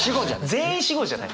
全員「しご」じゃない！